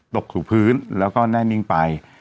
ตกสู่พื้นแล้วก็แน่นิ่งไป